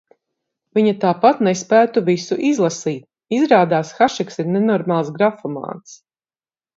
Viņa tāpat nespētu visu izlasīt. Izrādās, Hašeks ir nenormāls grafomāns.